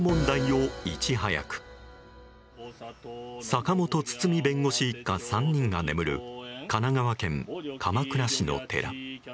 坂本堤弁護士一家３人が眠る神奈川県鎌倉市の寺。